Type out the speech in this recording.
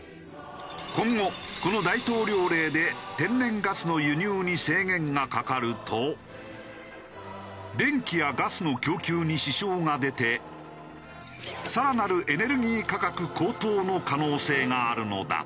今後この大統領令で天然ガスの輸入に制限がかかると電気やガスの供給に支障が出て更なるエネルギー価格高騰の可能性があるのだ。